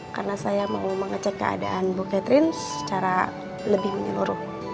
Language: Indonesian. karena saya mau mengecek keadaan ibu catherine secara lebih menyeluruh